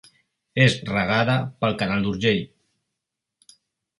És regada pel Canal d'Urgell.